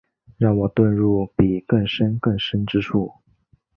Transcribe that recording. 让我遁入比更深更深之处